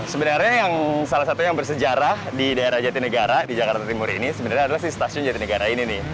sebenarnya salah satu yang bersejarah di daerah jatinegara di jakarta timur ini sebenarnya adalah stasiun jatinegara ini nih